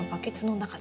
中で。